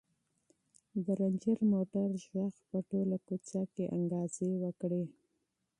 د رنجر موټر غږ په ټوله کوڅه کې انګازې وکړې.